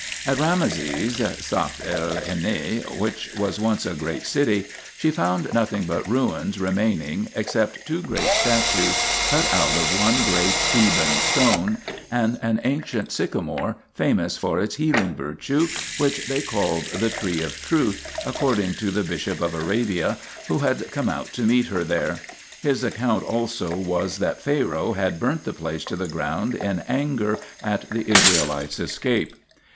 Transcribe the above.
At Rameses (Saft el Henneh), which was once a great city, she found nothing but ruins remaining except two great statues cut out of " one great Theban stone " and an ancient sycomore famous for its healing virtue, which they called " the Tree of Truth " l according to the " bishop of Arabia," who had come out to meet her there. His account also was that Pharaoh had burnt the place to the ground in anger at the Israelites' escape.